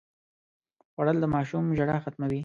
خوړل د ماشوم ژړا ختموي